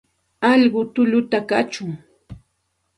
Alqu tulluta kachun.